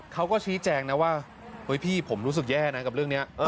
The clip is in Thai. เขาก็ชี้แจงนะว่าเฮ้ยพี่ผมรู้สึกแย่นะกับเรื่องนี้